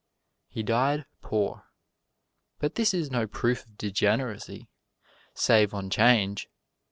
He died poor. But this is no proof of degeneracy, save on 'Change.